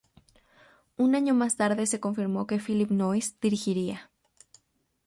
Un año más tarde se confirmó que Phillip Noyce dirigiría.